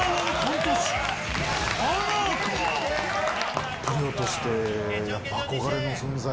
トリオとしてやっぱ、憧れの存在。